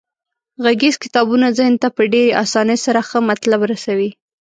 غږیز کتابونه ذهن ته په ډیرې اسانۍ سره ښه مطلب رسوي.